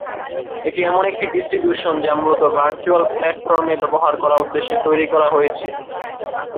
এটি এমন একটি ডিস্ট্রিবিউশন যা মূলত ভার্চুয়াল প্লাটফর্মে ব্যবহার করার উদ্দেশ্যে তৈরী করা হয়েছে।